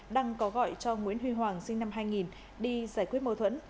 đăng có gọi cho nguyễn huy hoàng sinh năm hai nghìn đi giải quyết mâu thuẫn